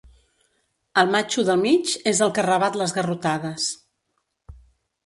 El matxo del mig és el que rebat les garrotades.